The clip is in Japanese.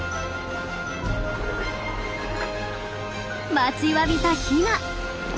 待ちわびたヒナ。